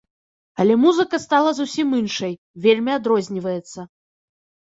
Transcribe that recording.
Але музыка стала зусім іншай, вельмі адрозніваецца.